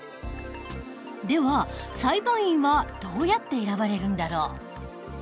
では裁判員はどうやって選ばれるんだろう？